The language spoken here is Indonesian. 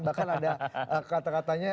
bahkan ada kata katanya